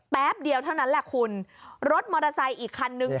แป๊บเดียวเท่านั้นแหละคุณรถมอเตอร์ไซค์อีกคันนึง